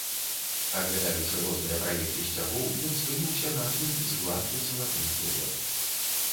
Аглядаючы розныя праекты сцягоў, ён спыніўся на адным з гладкім залатым полем.